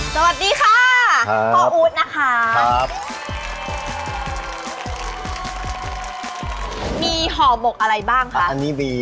สวัสดีค่ะพ่ออุ๊ดนะคะครับ